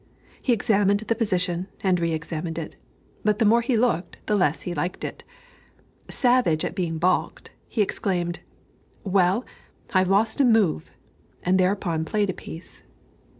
He examined the position, and re examined it; but, the more he looked, the less he liked it. Savage at being balked, he exclaimed "Well, I've lost a move," and thereupon played a piece.